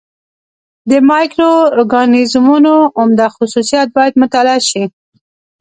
د مایکرو اورګانیزمونو عمده خصوصیات باید مطالعه شي.